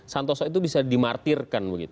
santoso itu bisa dimartirkan